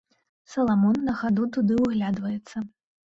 Саламон на хаду туды ўглядваецца.